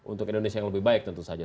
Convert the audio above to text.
untuk indonesia yang lebih baik tentu saja